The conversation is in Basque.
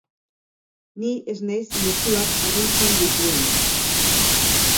Ni ez naiz mezuak agintzen dituena.